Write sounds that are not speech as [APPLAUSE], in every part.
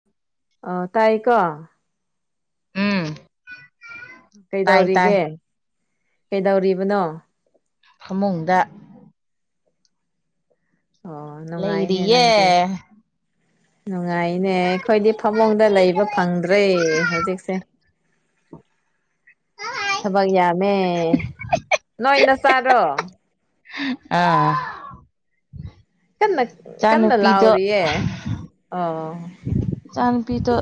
[UNINTELLIGIBLE] [INAUDIBLE] ꯑ ꯇꯥꯏꯀꯣ ꯎꯝ ꯇꯥꯏ ꯇꯥꯏ ꯀꯩꯗꯧꯔꯤꯒꯦ ꯀꯩꯗꯧꯔꯤꯕꯅꯣ ꯐꯃꯨꯡꯗ ꯑꯣ ꯑ ꯅꯨꯡꯉꯥꯏꯅꯦ ꯏꯦ ꯅꯪꯗꯤ ꯅꯨꯡꯉꯥꯏꯅꯦ ꯑꯩꯈꯣꯏꯗꯤ ꯐꯃꯨꯡꯗ ꯂꯩꯕ ꯐꯪꯗ꯭ꯔꯦ ꯍꯧꯖꯤꯛꯁꯦ ꯊꯕꯛ ꯌꯥꯝꯃꯦ ꯅꯣꯏꯅ ꯆꯥꯔꯣ ꯑꯥ ꯀꯟꯅ ꯀꯟꯅ ꯏꯆꯥꯅꯨꯄꯤꯗꯣ ꯂꯥꯎꯔꯤꯌꯦ ꯑꯣ ꯏꯆꯥ ꯅꯨꯨꯄꯤꯗꯣ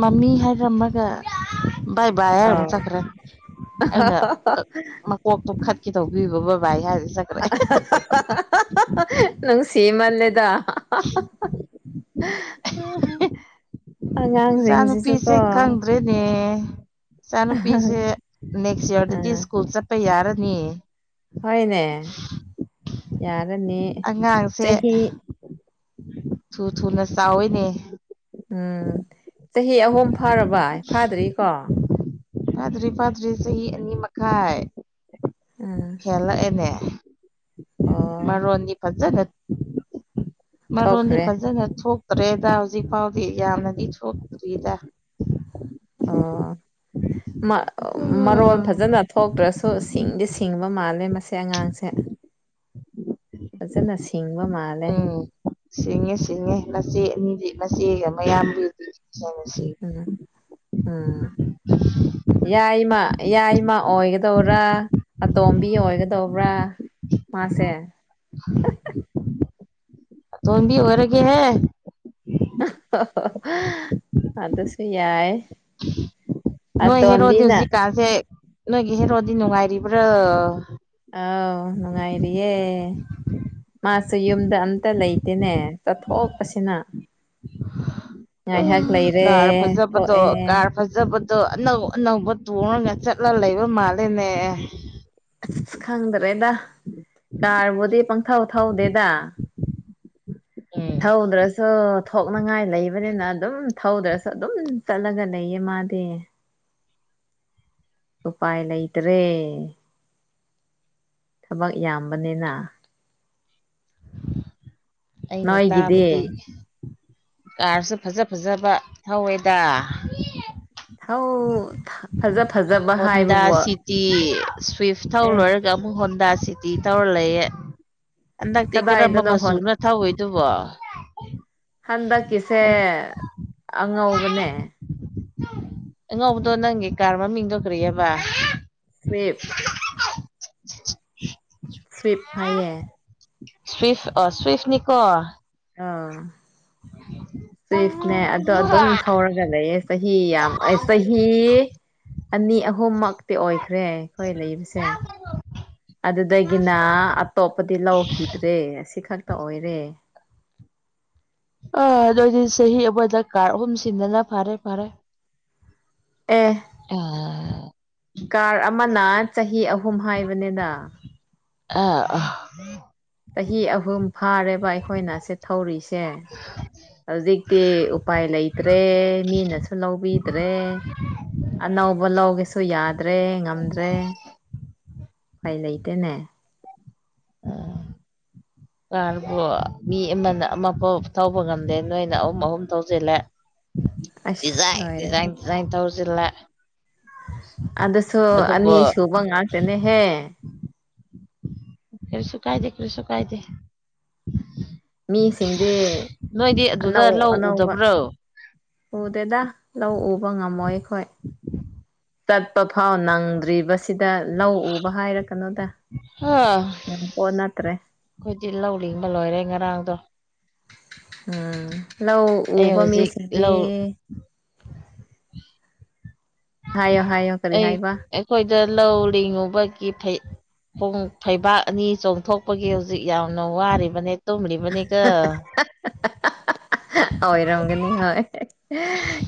ꯃꯃꯤ ꯍꯥꯏꯔꯝꯃꯒ ꯕꯥꯕ ꯃ ꯑꯣ ꯆꯈ꯭ꯔꯦ ꯑꯩꯅ ꯀꯣꯛꯇꯣ ꯈꯠꯈꯤꯦ ꯇꯧꯕꯤꯕ ꯕꯥꯏ ꯍꯥꯏꯔꯤ ꯆ [UNINTELLIGIBLE] ꯅꯨꯡꯁꯤꯃꯜꯂꯦꯗ [UNINTELLIGIBLE] ꯑꯉꯥꯡꯁꯤꯡꯁꯤꯁꯨ ꯀꯣ [UNINTELLIGIBLE] ꯅꯦ ꯏꯆꯥꯅꯨꯄꯤꯁꯦ ꯅꯦꯛꯁ ꯏꯌꯥꯔꯗꯗꯤ ꯑꯥ ꯁ꯭ꯀꯨꯜ ꯆꯠꯄ ꯌꯥꯔꯅꯤ ꯍꯣꯏꯅꯦ ꯌꯥꯔꯅꯤ ꯑꯉꯥꯡꯁꯦ ꯆꯍꯤ ꯊꯨ ꯊꯨꯅ ꯆꯥꯎꯏꯅꯦ ꯎꯝ ꯆꯍꯤ ꯑꯍꯨꯝ ꯐꯥꯔꯕꯏ ꯐꯥꯗ꯭ꯔꯤꯀꯣ ꯐꯥꯗ꯭ꯔꯤ ꯐꯥꯗ꯭ꯔꯤ ꯆꯍꯤ ꯑꯅꯤ ꯃꯈꯥꯏ ꯎꯝ ꯍꯦꯜꯂꯛꯑꯦꯅꯦ ꯑꯣ ꯃꯔꯣꯟꯗꯤ ꯐꯖꯅ ꯃꯔꯣꯟꯗꯤ ꯊꯣꯛꯈ꯭ꯔꯦ ꯐꯖꯅ ꯊꯣꯛ ꯇ꯭ꯔꯦꯗ ꯍꯧꯖꯤꯛ ꯐꯥꯎꯗꯤ ꯌꯥꯝꯅꯗꯤ ꯊꯣꯛꯇ꯭ꯔꯤꯗ ꯑꯣ ꯃꯔꯔ ꯎꯝ ꯐꯖꯅ ꯊꯣꯛꯇ꯭ꯔꯁꯨ ꯁꯤꯡꯗꯤ ꯁꯤꯡꯕ ꯃꯥꯜꯂꯦ ꯃꯁ ꯑꯉꯥꯡꯁꯦ ꯐꯖꯅ ꯁꯤꯡꯕ ꯃꯥꯜꯂꯦ ꯑ ꯁꯤꯡꯉꯦ ꯁꯤꯡꯉꯦ ꯃꯆꯦ ꯑꯅꯤꯗꯤ ꯃꯆꯦꯒ ꯃꯌꯥꯝꯗꯤꯗꯤꯉꯦ ꯁꯤꯡꯉꯦ ꯎꯝ ꯎꯝ ꯌꯥꯏꯃ ꯌꯥꯏꯃ ꯑꯣꯏꯒꯗꯧꯔꯥ ꯑꯇꯣꯝꯕꯤ ꯑꯣꯏꯒꯗꯧꯕ꯭ꯔꯥ ꯃꯥꯁꯦ ꯎ ꯇꯝꯕꯤ ꯍꯔꯒ ꯍꯦ ꯑꯗꯁꯨ ꯌꯥꯏ ꯅꯣꯏꯣꯏ ꯍꯦꯔꯣꯗ ꯑꯇꯣꯝꯕꯤꯅ ꯍꯧꯁꯤ ꯀꯥꯥꯁꯦ ꯅꯣꯏꯒꯤ ꯍꯦꯔꯣꯗꯤ ꯅꯨꯡꯉꯥꯏꯔꯤꯕ꯭ꯔꯥ ꯑꯥꯎ ꯅꯨꯡꯉꯥꯏꯔꯤꯌꯦꯦ ꯃꯥꯁꯨ ꯌꯨꯝꯗ ꯑꯝꯇ ꯂꯩꯇꯦꯅꯦ ꯆꯠꯊꯣꯛꯄ ꯑꯁꯤꯅ ꯎ ꯀꯥꯔ ꯐꯖꯕꯗꯣ ꯊꯣꯛꯑꯦ ꯀꯥꯔ ꯐꯖ ꯐꯖꯕꯗꯣ ꯑꯅꯧ ꯑꯅꯧꯕ ꯇꯣꯡꯉꯒ ꯆꯠꯂ ꯂꯩꯕ ꯃꯥꯜꯂꯦꯅꯦ ꯑꯁꯁ ꯈꯪꯗ꯭ꯔꯦꯗ ꯀꯥꯔꯕꯨꯗꯤ ꯄꯪꯊꯧ ꯊꯧꯗꯦꯗ ꯎꯝ ꯊꯧꯗ꯭ꯔꯁꯨ ꯊꯣꯛꯅꯤꯡꯉꯥꯏ ꯂꯩꯕꯅꯤꯅ ꯑꯗꯨꯝ ꯊꯧꯗ꯭ꯔꯁꯨ ꯑꯗꯨꯝ ꯆꯠꯂꯒ ꯂꯩꯌꯦ ꯃꯥꯗꯤ ꯎꯄꯥꯏ ꯂꯩꯇ꯭ꯔꯦ ꯊꯕꯛ ꯌꯥꯝꯕꯅꯤꯅ ꯑꯩꯅ ꯇꯥꯕꯗꯤ ꯅꯣꯏꯒꯤꯗꯤ ꯀꯥꯔꯁꯨ ꯐꯖ ꯐꯖꯕ ꯊꯧꯋꯦꯗ ꯍꯥꯎ ꯐꯖ ꯐꯖꯕ ꯍꯣꯟꯗꯥ ꯍꯥꯏꯕꯕꯨ ꯑꯦ ꯁꯤꯇꯤ ꯁ꯭ꯋꯤꯐ ꯊꯧ ꯂꯣꯏꯔꯒ ꯑꯃꯨꯛ ꯍꯣꯟꯟꯗꯥ ꯁꯤꯇꯤ ꯇꯧꯔ ꯂꯩꯌꯦꯦ ꯍꯟꯗꯛꯇꯤ ꯀꯔꯝꯕ ꯀꯗꯥꯏꯗꯅꯣ ꯍꯣꯟ ꯃꯆꯨꯅ ꯊꯧꯑꯣꯏꯗꯨꯕꯣ ꯍꯟꯗꯛꯀꯤꯁꯦ ꯑꯉꯧꯕꯅꯦ ꯑꯉꯧꯕꯗꯣ ꯅꯪꯒꯤ ꯀꯥꯔ ꯃꯃꯤꯡ ꯇꯧꯈ꯭ꯔꯔꯤꯑꯕ ꯁꯋꯦꯞ ꯁ꯭ꯔꯤꯞ ꯐꯌꯦ ꯁ꯭ꯏꯐ ꯑ ꯁ꯭ꯋꯐꯅꯤꯀꯣ ꯑ ꯁꯋꯤꯐꯅꯦ ꯑꯗꯣ ꯑꯗꯨꯝ ꯍꯧꯔꯒ ꯂꯩꯌꯦ ꯆꯍꯤ ꯌꯥꯝ ꯆꯍꯤ ꯑꯅꯤ ꯑꯍꯨꯝꯃꯛ ꯇꯤ ꯑꯣꯏꯈ꯭ꯔꯦ ꯑꯩꯈꯣꯏ ꯂꯩꯕꯁꯦ ꯑꯗꯨꯗꯒꯤꯅ ꯑꯇꯣꯞꯄꯗꯤ ꯂꯧꯈꯤꯗ꯭ꯔꯦ ꯑꯁꯤ ꯈꯛꯇ ꯑꯣꯏꯔꯦ ꯑꯥ ꯑꯗꯨꯑꯣ ꯑꯣꯏꯗꯤ ꯆꯍꯤ ꯑꯃꯗ ꯀꯥꯔ ꯑꯍꯨꯝ ꯁꯤꯟꯗꯅ ꯐꯔꯦ ꯐꯔꯦ ꯑꯦ ꯎ ꯀꯥꯔ ꯑꯃꯅ ꯆꯍꯤ ꯑꯍꯨꯝ ꯍꯥꯏꯕꯅꯤꯗ ꯑ ꯎꯝ ꯆꯍꯤ ꯑꯍꯨꯝ ꯐꯥꯔꯦꯕ ꯑꯩꯈꯣꯏꯅ ꯁꯤꯦ ꯊꯧꯔꯤꯁꯦ ꯍꯧꯖꯤꯛꯇꯤ ꯎꯄꯥꯏ ꯂꯩꯇ꯭ꯔꯦ ꯃꯤꯅꯁꯨ ꯂꯧꯕꯤꯗ꯭ꯔꯦ ꯑꯅꯧꯕ ꯂꯧꯒꯦꯁꯨ ꯌꯥꯗ꯭ꯔꯦ ꯉꯝꯗ꯭ꯔꯦ ꯀꯥꯏ ꯂꯩꯇꯦꯅꯦ [INAUDIBLE] ꯀꯥꯔꯕꯨ ꯃꯤ ꯑꯃꯅ ꯑꯃꯐꯥꯎ ꯊꯧꯕ ꯉꯝꯗꯦ ꯅꯣꯏꯅ ꯑꯍꯨꯝ ꯑꯍꯨꯝ ꯊꯧꯁꯤꯜꯂꯦ ꯑꯁ ꯗꯤꯖꯟ ꯂꯣꯏꯔꯦꯍꯦ ꯗꯤꯖꯥꯏꯟ ꯗꯤꯖꯥꯏꯟ ꯇꯧꯁꯤꯂ ꯑꯗꯨꯁꯨ ꯑꯅꯤ ꯁꯨꯕ ꯉꯥꯛꯇꯅꯦꯍꯦ ꯀꯜꯁꯨ ꯀꯥꯏꯗꯦ ꯀꯔꯤꯁꯨ ꯀꯥꯏꯗꯦ ꯃꯤꯁꯤꯡꯗꯤ ꯅꯣꯏꯗꯤ ꯑꯗꯨꯗ ꯑꯅꯧ ꯂꯧ ꯑꯅꯧꯕ ꯎꯗꯕ꯭ꯔꯣ ꯎꯗꯦꯗ ꯂꯧ ꯎꯕ ꯉꯝꯃꯣꯏ ꯑꯩꯈꯣꯏ ꯆꯠꯄ ꯐꯥꯎ ꯅꯪꯗ꯭ꯔꯤꯕꯁꯤ ꯁꯤꯗ ꯂꯧ ꯎꯕ ꯍꯥꯏꯔ ꯀꯩꯅꯣꯗ ꯍꯥ ꯄꯣꯠ ꯅꯠꯇ꯭ꯔꯦ ꯑꯩꯈꯣꯏꯗꯤ ꯂꯧꯅꯤꯡꯤꯡꯕ ꯂꯣꯏꯔꯦ ꯉꯔꯥꯡꯗꯣ ꯎꯝ ꯂ ꯑꯩ ꯎꯕ ꯍꯧꯖꯤꯛ ꯂꯧ ꯃꯤꯁꯤꯗꯤ ꯍꯥꯏꯌꯣ ꯍꯥꯏꯌꯣ ꯀꯔꯤ ꯑꯩ ꯍꯥꯏꯕ ꯑꯩꯈꯣꯏꯗ ꯂꯧꯔꯤꯉꯨꯕꯒꯤ ꯐꯩ ꯣꯡ ꯐꯩꯕꯥꯛ ꯑꯅꯤ ꯆꯣꯡꯊꯣꯛꯄꯒꯤ ꯍꯧꯖꯤꯛ ꯌꯥꯝꯅ ꯋꯥꯔꯤꯕꯅꯦ ꯇꯨꯝꯂꯤꯕꯅꯤꯒ ꯑꯣꯏꯔꯝꯒꯅꯤ ꯍꯣꯏ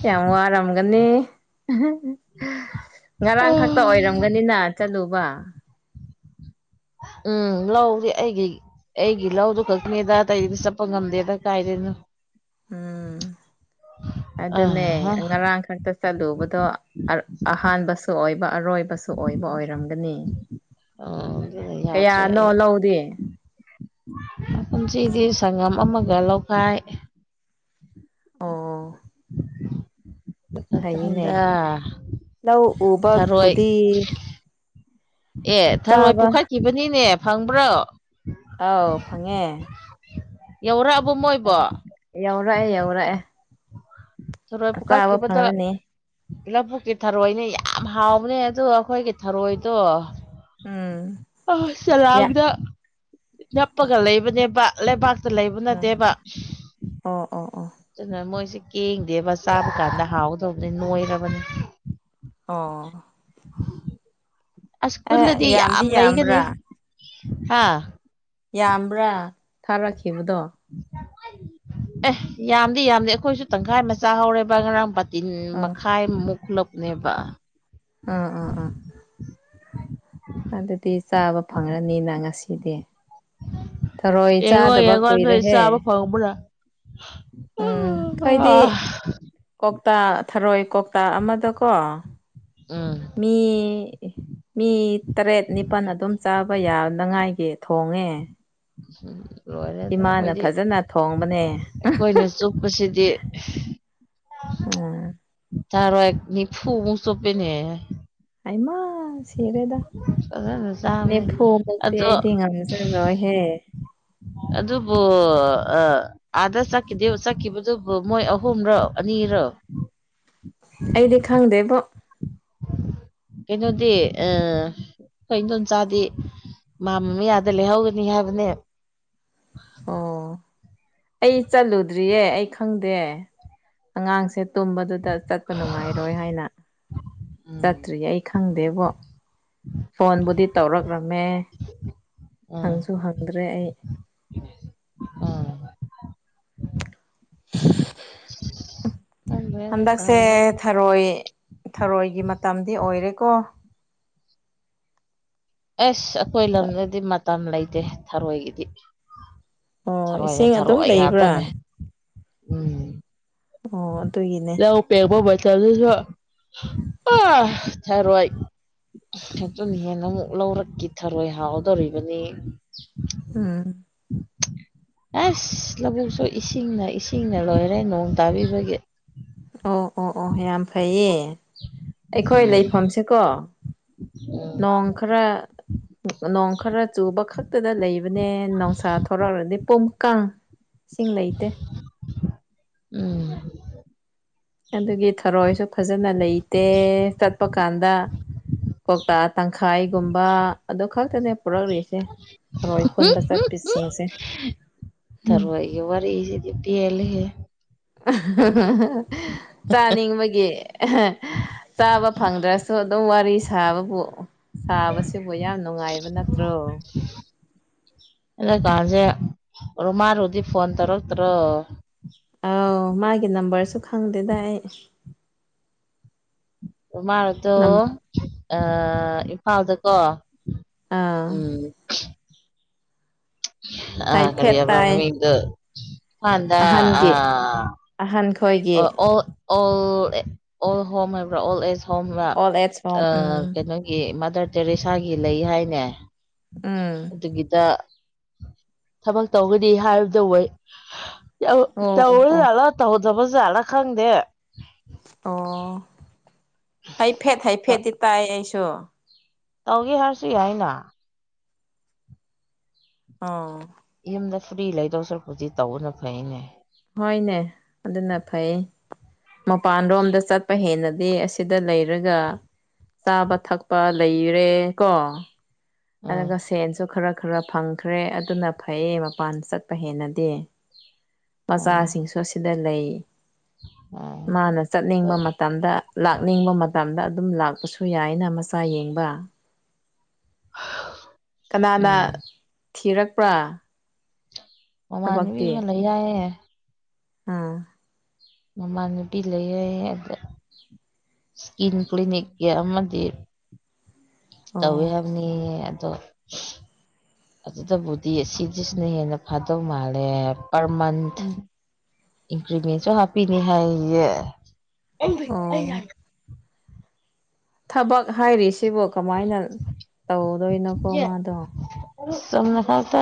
ꯌꯥꯝ ꯋꯥꯔꯝꯒꯅꯤ ꯉꯔꯥꯡ ꯈꯛꯇ ꯑꯣꯏꯔꯝꯒꯅꯤꯅ ꯆꯠꯂꯨꯕ ꯎꯝ ꯂꯧꯗꯤ ꯑꯩꯒꯤ ꯑꯩꯒꯤ ꯂꯧꯗꯨꯣ ꯈꯛꯅꯦꯗ ꯀꯩꯗꯤ ꯆꯠꯄ ꯉꯝꯗꯦꯗ ꯀꯥꯏꯗꯣꯏꯅꯣ ꯎꯝ ꯑꯗꯨꯅꯦ ꯑꯍꯥ ꯉꯔꯥꯡꯈꯛ ꯇ ꯆꯠꯂꯨꯕꯗꯣ ꯑꯍꯥꯟꯕꯁꯨ ꯑꯣꯏꯕ ꯑꯔꯣꯏꯕ ꯑꯣꯏꯕ ꯑꯣꯏꯔꯝꯒꯅꯤ ꯑꯗꯨꯅ ꯌꯥꯗ꯭ꯔꯦ ꯀꯌꯥꯅꯣ ꯑꯩ ꯂꯧꯗꯦ ꯄꯨꯟꯁꯤꯗꯤ ꯁꯪꯒꯝ ꯑꯃꯒ ꯂꯧꯈꯥꯏ ꯑꯥ ꯗ ꯂꯧ ꯊꯔꯣꯏ ꯎꯕꯕꯨꯗꯤ ꯑꯦ ꯊꯔꯣꯏ ꯆꯥꯕ ꯄꯨꯈꯠꯈꯤꯕꯅꯤꯅꯦ ꯐꯪꯕ꯭ꯔꯣ ꯑꯥꯎ ꯐꯪꯉꯦ ꯌꯧꯔꯛꯑꯕꯣ ꯃꯣꯏꯕꯣ ꯌꯧꯔꯛꯑꯦ ꯌꯧꯔꯛꯑꯦ ꯆꯔꯣꯏ ꯆꯥꯕ ꯄꯨꯈꯠꯈꯤꯕꯗ ꯐꯪꯂꯅꯤ ꯂꯧꯕꯨꯛꯀꯤ ꯊꯔꯣꯏꯅꯦ ꯌꯥꯝ ꯍꯥꯎꯕꯅꯦ ꯑꯗ ꯑꯩꯈꯣꯏꯒꯤ ꯊꯔꯣꯏꯗꯣ ꯎꯝ ꯑ ꯆꯂꯥꯡꯗ ꯅꯞꯄꯒ ꯂꯩꯕꯅꯦꯕ ꯂꯩꯕꯥꯛꯇ ꯂꯩꯕ ꯎꯝ ꯅꯠꯇꯦꯕ ꯑꯣ ꯑꯣ ꯑꯣ ꯑꯗꯨꯅ ꯃꯣꯏꯁꯤꯦ ꯀꯦꯡꯗꯦꯕ ꯆꯥꯕ ꯀꯥꯟꯗ ꯍꯥꯎꯗꯧꯕꯅꯤ ꯅꯣꯏꯔꯕꯅꯤ ꯑꯣ ꯑꯁ ꯑꯦ ꯈꯨꯜꯗꯗꯤ ꯌꯥꯝꯗꯤ ꯌꯥꯝ ꯂꯩꯒꯅꯤ ꯌꯥꯝꯕ꯭ꯔꯥ ꯑꯥ ꯌꯥꯝꯕ꯭ꯔꯥ ꯊꯥꯔꯛꯈꯤꯕꯗꯣ ꯑꯦ ꯌꯥꯝꯗꯤ ꯌꯥꯝꯗꯦ ꯑꯩꯈꯣꯏꯁꯨ ꯇꯪꯈꯥꯏ ꯃꯆꯥ ꯍꯧꯔꯦꯕ ꯉꯔꯥꯡ ꯇꯤꯟ ꯑꯥ ꯃꯈꯥꯏꯃꯨꯛ ꯈꯨꯂꯞꯅꯦꯕ ꯎꯝ ꯎꯥ ꯑꯣ ꯑꯗꯨꯗꯤ ꯆꯥꯕ ꯐꯪꯂꯔꯅꯤꯅ ꯉꯁꯤꯗꯤ ꯊꯔꯣꯏ ꯑꯦꯡꯉꯣ ꯆꯥꯗꯕ ꯌꯦꯡꯉꯣꯟ ꯀꯨꯏꯔꯦꯍꯦ ꯁꯕ ꯐ ꯄꯨꯔ ꯎꯝ ꯍꯥꯏꯗꯤ ꯀꯧꯇꯥ ꯊꯔꯣꯏ ꯀꯧꯇꯥ ꯑꯃꯗꯀꯣ ꯎ ꯃꯤ ꯃꯤ ꯇꯔꯦꯠ ꯅꯤꯄꯜ ꯑꯗꯨꯝ ꯆꯥꯕ ꯌꯥꯅꯉꯥꯏꯒꯤ ꯊꯣꯡꯉꯦ ꯍ ꯏꯃꯥꯅ ꯐꯖꯅ ꯊꯣꯡꯕꯅꯦ ꯑꯩꯈꯣꯏꯅ ꯆꯨꯞꯄꯁꯤꯗꯤ ꯎꯝ ꯇꯔꯣꯅꯤꯐꯨ ꯃ ꯆ ꯄꯦꯅꯦ ꯑꯃ ꯁꯤꯔꯦꯗꯥ ꯐꯖꯅ ꯆꯥꯕꯅꯦ ꯅꯦꯐꯨꯃꯨꯛꯇꯤ ꯑꯗꯣ ꯑꯩꯗꯤ ꯉꯝꯖꯔꯔꯣꯏꯍꯦ ꯑꯗꯨꯕꯨ ꯑ ꯑꯥꯗ ꯆꯠꯈꯤꯗꯦꯕ ꯆꯠꯈꯤꯕꯗꯨꯕꯨ ꯃꯣꯏ ꯑꯍꯨꯝꯔꯣ ꯑꯅꯤꯔꯣ ꯑꯩꯗꯤ ꯈꯪꯗꯦꯕ ꯀꯩꯅꯣꯗꯤ ꯑ ꯑꯩꯈꯣꯏ ꯏꯤꯡꯗꯣꯝ ꯆꯥꯗꯤ ꯃꯥ ꯃ ꯃꯤ ꯑꯥꯗ ꯂꯩꯍꯧꯒꯅꯤ ꯍꯥꯏꯕꯅꯦ ꯑꯣ ꯑꯩ ꯆꯠꯂꯨꯗ꯭ꯔꯤꯌꯦ ꯑꯩ ꯈꯪꯗꯦ ꯑꯉꯥꯡꯁꯦ ꯇꯨꯝꯕꯗꯨꯗ ꯆꯠꯄ ꯅꯨꯡꯉꯥꯏꯔꯣꯏ ꯍꯥꯏꯅ ꯎꯝ ꯆꯠꯇ꯭ꯔꯤꯌꯦ ꯑꯩ ꯈꯪꯗꯦꯕꯣ ꯐꯣꯟꯕꯨꯗꯤ ꯇꯧꯔꯛ꯭ꯔꯃꯦ ꯎꯝ ꯍꯪꯁꯨ ꯍꯪꯗ꯭ꯔꯦ ꯑꯩ ꯎꯝ [UNINTELLIGIBLE] ꯈꯪꯗ꯭ꯔꯦꯗ ꯍꯟꯗꯛꯁꯦ ꯇꯧꯔꯤꯕ ꯊꯔꯣꯏ ꯊꯔꯣꯏꯒꯤ ꯃꯇꯝꯗꯤ ꯑꯣꯏꯔꯦꯀꯣ ꯑꯁ ꯑꯩꯈꯣꯏ ꯂꯝꯗꯗꯤ ꯃꯇꯝ ꯂꯩꯇꯦ ꯊꯔꯣꯏꯒꯤꯗꯤ ꯑꯣ ꯊꯔꯣꯏꯗ ꯏꯁꯤꯡ ꯑꯗꯨꯝ ꯊꯔꯣꯢ ꯂꯩꯕ꯭ꯔꯥ ꯉꯥꯛꯇꯅꯦ ꯎꯝ ꯑꯣ ꯑꯗꯨꯒꯤꯅꯦ ꯄꯦꯛꯒꯄꯣꯗꯁꯨ ꯑ ꯊꯔꯣꯏ ꯑꯗꯨꯅ ꯍꯦꯟꯅ ꯑꯃꯨꯛ ꯂꯧꯔꯛꯈꯤ ꯊꯔꯣꯏ ꯍꯥꯎꯗꯧꯔꯤꯕꯅꯤ ꯎꯝ ꯑꯁ ꯂꯧꯕꯨꯛꯁꯨ ꯏꯁꯤꯡꯅ ꯏꯁꯤꯡꯅ ꯂꯣꯏꯔꯦ ꯅꯣꯡ ꯇꯥꯕꯤꯕꯒꯤ ꯑꯣ ꯑꯣ ꯑꯣ ꯌꯥꯝ ꯐꯩꯌꯦ ꯑꯩꯈꯣꯏ ꯂꯩꯄꯥꯛꯁꯦꯀꯣ ꯎꯝ ꯅꯣꯡ ꯈꯔ ꯅꯣꯡ ꯈꯔ ꯆꯨꯕꯈꯛ ꯑꯗꯨꯨꯗ ꯂꯩꯕꯅꯦ ꯅꯨꯡꯁꯥ ꯊꯣꯔꯛ꯭ꯔꯗꯤ ꯄꯨꯝ ꯀꯥꯡ ꯏꯁꯤꯡ ꯂꯩꯇꯦ ꯎꯝ ꯑꯗꯨꯒꯤ ꯊꯔꯣꯏꯁꯨ ꯐꯖꯅ ꯂꯩꯇꯦ ꯆꯠꯄ ꯀꯥꯟꯗ ꯀꯧꯇꯥ ꯇꯪꯈꯥꯏꯒꯨꯝꯕ ꯑꯗꯨ ꯈꯛꯇꯅꯦ ꯄꯨꯔꯛꯂꯤꯁꯦ ꯊꯔꯣꯏ ꯈꯨꯟꯕ ꯆꯠꯄꯤꯁꯤꯡꯁꯦ ꯇꯔꯨꯏꯒꯤ ꯋꯥꯔꯤꯁꯤꯗꯤ ꯄꯦꯜꯂꯦꯍꯦ ꯆꯥꯅꯤꯡꯕꯒꯤ ꯆꯥꯕ ꯐꯪꯗ꯭ꯔꯁꯨ ꯑꯗꯨꯝ ꯋꯥꯔꯤ ꯁꯥꯕꯕꯨ ꯁꯥꯕꯁꯤꯕꯨ ꯌꯥꯝ ꯅꯨꯡꯉꯥꯏꯕ ꯅꯠꯇ꯭ꯔꯣ [INAUDIBLE] ꯑꯦ ꯀꯥꯟꯁꯦ ꯔꯨꯃꯥꯔ ꯍꯧꯗꯤ ꯐꯣꯟ ꯇꯧꯔꯛ ꯇꯔꯣ ꯑꯧ ꯃꯥꯒꯤ ꯅꯝꯕꯔꯁꯨ ꯈꯪꯗꯦꯗ ꯑꯩ ꯎꯃꯥꯔꯗꯣ ꯏꯝꯐꯥꯜꯗꯀꯣ ꯑꯥ ꯎꯝ ꯑ ꯑꯥ ꯍꯥꯏꯐꯦꯠ ꯀꯔꯤꯕ ꯇꯥꯏ ꯃꯥꯃꯤꯗ ꯐꯥꯟꯗ ꯑꯥ ꯑꯍꯥꯟ ꯈꯣꯏꯒꯤ ꯑꯣ ꯑꯣꯜ ꯑꯣꯜ ꯍꯣꯝ ꯍꯥꯏꯕ꯭ꯔꯥ ꯑꯣꯜ ꯑꯦꯖ ꯍꫭꯝꯔꯥ ꯑꯣꯜ ꯑꯦꯖ ꯍꯣꯝ ꯑꯃꯥ ꯎꯝ ꯀꯩꯅꯣ ꯒꯤ ꯃꯥꯗꯔ ꯇꯦꯔꯦꯁꯥꯒꯤ ꯂꯩ ꯍꯥꯏꯅꯦ ꯎꯝ ꯑꯗꯨꯒꯤꯗ ꯊꯕꯛ ꯇꯧꯕꯒꯗꯤ ꯍꯥꯏꯔꯕꯗ ꯑꯣꯏ ꯌꯥꯝ ꯑꯣ ꯇꯧ ꯑꯣ ꯑꯣ ꯖꯥꯠꯂꯥ ꯇꯧꯍꯧꯗꯕ ꯖꯥꯠꯂꯥ ꯈꯪꯗꯦ ꯑꯣ ꯍꯥꯏꯐꯦꯠ ꯍꯥꯏꯐꯦꯠꯗꯤ ꯇꯥꯏ ꯑꯩꯁꯨ ꯇꯧꯒꯦ ꯍꯥꯏꯔꯁꯨ ꯌꯥꯏꯅ ꯑꯣ ꯌꯨꯝꯗ ꯐꯨꯔꯤ ꯂꯩꯗꯧꯁꯔꯛꯄꯨꯗꯤ ꯇꯧꯕꯅ ꯐꯩꯅꯦ ꯍꯣꯏꯅꯦ ꯑꯗꯨꯅ ꯐꯩ ꯃꯄꯥꯟꯂꯣꯝꯗ ꯆꯠꯄ ꯍꯦꯟꯅꯗꯤ ꯑꯁꯤꯗ ꯂꯩꯔꯒ ꯆꯥꯕ ꯊꯛꯄ ꯂꯩꯔꯦ ꯀꯣ ꯎꯝ ꯑꯗꯨꯒ ꯁꯦꯟꯁꯨ ꯈꯔ ꯈꯔ ꯐꯪ ꯈ꯭ꯔꯦ ꯑꯗꯨꯅ ꯐꯩꯌꯦ ꯃꯄꯥꯟ ꯆꯠꯄ ꯍꯦꯟꯅꯗꯤ ꯎꯝ ꯃꯆꯥꯁꯤꯡꯁꯨ ꯑꯁꯤꯗ ꯂꯩ ꯎꯝ ꯃꯥꯅ ꯆꯠꯅꯤꯡꯕ ꯍꯣꯏ ꯃꯇꯝꯗ ꯂꯥꯛꯅꯤꯡꯕ ꯃꯇꯝꯗ ꯑꯗꯨꯝ ꯂꯥꯛꯄꯁꯨ ꯌꯥꯏꯅ ꯃꯆꯥ ꯌꯦꯡꯕ ꯀꯅꯥꯅ ꯎꯝ ꯊꯤꯔꯛꯄ꯭ꯔꯥ ꯃꯃꯥꯟꯅꯕꯤ ꯊꯕꯛꯇꯤ ꯑꯃ ꯂꯩ ꯌꯥꯏꯌꯦꯦ ꯑꯥ ꯃꯃꯥꯟꯅꯄꯤ ꯂꯩꯌꯦ ꯑꯗ꯭ꯔꯦ ꯏꯁꯀꯤꯟ ꯀ꯭ꯂꯤꯅꯤꯛꯀꯤ ꯑꯃꯗꯤ ꯇꯧꯋꯦ ꯑꯣ ꯍꯥꯏꯕꯅꯤ ꯑꯗꯣ UNINTELLIGIBLE ꯑꯗꯨꯗꯕꯨꯗꯤ ꯁꯤꯗꯤꯁꯤꯅ ꯍꯦꯟꯅ ꯐꯥꯗꯧ ꯃꯥꯜꯂꯦ ꯄꯔ ꯃꯟꯊ ꯎꯝ ꯏꯟꯀ꯭ꯔꯤꯃꯦꯟꯁꯨ ꯍꯥꯞꯄꯤꯅꯦ ꯍꯥꯏꯌꯦ ꯑꯣ ꯊꯕꯛ ꯍꯥꯏꯔꯤꯁꯤꯕ ꯀꯃꯥꯏꯅ ꯇꯧꯗꯣꯏꯅꯣꯀꯣ ꯃꯥꯗꯣ ꯆꯨꯝꯅ ꯈꯇꯥ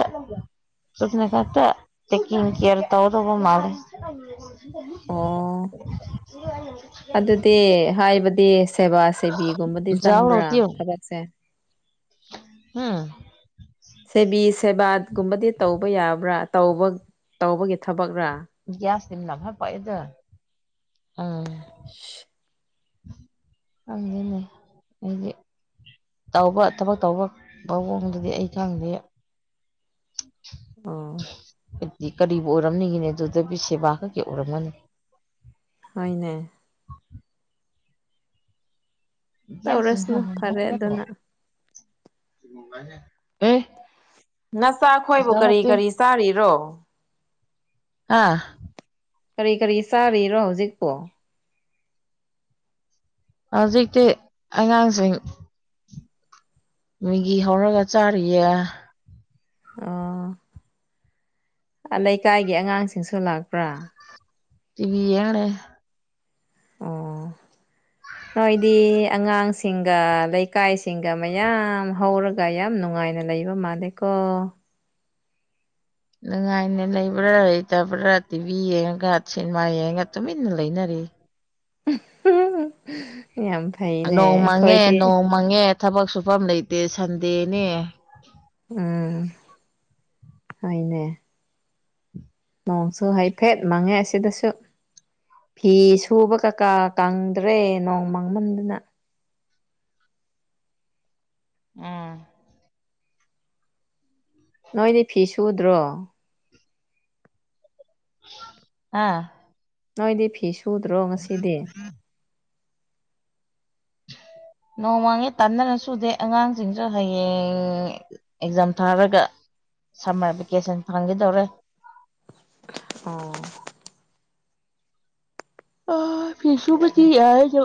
ꯆꯨꯝꯅ ꯈꯇꯥ ꯇꯥꯛꯀꯤꯟ ꯀꯤꯌꯥꯔ ꯇꯧꯗꯨꯕ ꯃꯂꯦ ꯑꯣ ꯑꯗꯨꯗꯤ ꯍꯥꯏꯕꯗꯤ ꯁꯦꯕꯥꯁ ꯁꯦꯕꯤꯒꯨꯝꯕꯗꯤ ꯖꯥꯎ ꯆꯪꯕ꯭ꯔꯥ ꯂꯧꯇꯤꯌꯨ ꯊꯕꯛꯁꯦ ꯎꯝ ꯁꯦꯕꯤ ꯁꯦꯕꯥꯒꯨꯝꯕꯗꯤ ꯇꯧꯕ ꯌꯥꯕ꯭ꯔꯥ ꯇꯧꯕ ꯇꯧꯕꯒꯤ ꯊꯕꯛꯔꯥ UNINTELLIGIBLE UNINTELLIGIBLE ꯈꯪꯗꯦꯅꯦ ꯑꯩꯗꯤ ꯇꯧꯕ ꯊꯕꯛ ꯇꯧꯕ ꯃꯑꯣꯡꯗꯗꯤ ꯑꯩ ꯈꯪꯗꯦ [INAUDIBLE] ꯑꯥ ꯍꯥꯏꯗꯤ ꯀꯔꯤꯕꯨ ꯑꯣꯏꯔꯝꯅꯤꯒꯤꯅꯦ ꯑꯗꯨꯗ ꯕꯤ ꯁꯦꯕꯥ ꯈꯛꯀꯤ ꯑꯣꯏꯔꯝꯃꯅꯤ ꯍꫭꯏꯅꯦ ꯇꯧꯔꯁꯅꯨ ꯐꯔꯦ UNINTELLIGIBLE ꯑꯗꯨꯅ ꯅꯆꯥ ꯑꯩꯈꯣꯏꯕꯨ ꯀꯔꯤ ꯀꯔꯤ ꯆꯥꯔꯤꯔꯣ ꯑꯥ ꯀꯔꯤ ꯀꯔꯤ ꯆꯥꯔꯤꯔꯣ ꯍꯧꯖꯤꯛꯄꯣ ꯍꯧꯖꯤꯛꯇꯤ ꯑꯉꯥꯡꯁꯤꯡ ꯃꯤꯒꯤ ꯍꯧꯔꯒ ꯆꯥꯔꯤꯌꯦ ꯑꯥ ꯂꯩꯀꯥꯏꯒꯤ ꯑꯉꯥꯡꯁꯤꯡꯁꯨ ꯂꯥꯛꯄ꯭ꯔꯥ ꯇꯤꯕꯤ ꯌꯦꯡ ꯂꯩꯌꯦ ꯑꯣ ꯅꯣꯏꯗꯤ ꯑꯉꯥꯡꯁꯤꯡ ꯁꯤꯡꯒ ꯂꯩꯀꯥꯏꯁꯤꯡꯒ ꯃꯌꯥꯝ ꯍꯧꯔꯒ ꯌꯥꯝ ꯅꯨꯡꯉꯥꯏꯅ ꯂꯩꯕ ꯃꯥꯜꯂꯦꯀꯣ ꯅꯨꯡꯉꯥꯏꯅ ꯂꯩꯕ꯭ꯔꯥ ꯂꯩꯇꯕ꯭ꯔꯥ ꯇꯤꯚꯤ ꯌꯦꯡꯉꯒ ꯁꯤꯅꯦꯃꯥ ꯌꯦꯡꯉꯒ ꯇꯨꯃꯤꯟꯅ ꯂꯩꯅꯔꯤ [UNINTELLIGIBLE] ꯌꯥꯝ ꯐꯩꯅꯦ ꯅꯣꯡ ꯃꯪꯉꯦ ꯑꯩꯈꯣꯏꯗꯤ ꯅꯣꯡ ꯃꯪꯉꯦ ꯊꯕꯛ ꯁꯨꯐꯝ ꯂꯩꯇꯦ ꯁꯟꯗꯦꯅꯦ ꯎꯝ ꯍꯣꯏꯅꯦ ꯅꯣꯡꯁꯨ ꯍꯥꯏꯐꯦꯠ ꯃꯥꯡꯉꯦ ꯑꯁꯤꯗꯁꯨ ꯐꯤ ꯁꯨꯕ ꯀꯀꯥ ꯀꯪꯗ꯭ꯔꯦ ꯅꯣꯡ ꯃꯥꯡꯃꯟꯗꯨꯅ ꯎꯝ ꯅꯣꯏꯗꯤ ꯐꯤ ꯁꯨꯗ꯭ꯔꯣ ꯑꯥ ꯅꯣꯏꯗꯤ ꯐꯤ ꯁꯨꯗ꯭ꯔꯣ ꯉꯁꯤꯗꯤ ꯅꯣꯡꯃꯥꯡꯉꯦ ꯇꯥꯟꯅꯔ ꯁꯨꯗꯦ ꯑꯉꯥꯡꯁꯤꯡꯁꯨ ꯍꯌꯦꯡ ꯑꯦꯛꯖꯥꯝ ꯊꯥꯔꯒ ꯁꯝꯃꯔ ꯚꯦꯀꯦꯁꯟ ꯐꯪꯈꯤꯗꯧꯔꯦ ꯑꯣ ꯑ ꯐꯤꯁꯨꯨꯕꯗꯤ ꯌꯥꯏ ꯑꯗꯣ